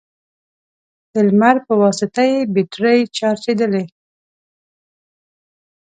د لمر په واسطه يې بېټرۍ چارجېدلې،